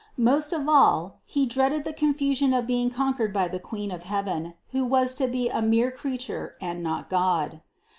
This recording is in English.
Most of all he dreaded the confusion of being conquered by the Queen of heaven, who was to be a mere creature and not God.